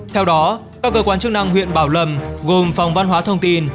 theo đó các cơ quan chức năng huyện bảo lâm gồm phòng văn hóa thông tin